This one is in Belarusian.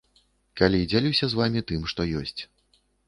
Калі дзялюся з вамі тым, што ёсць.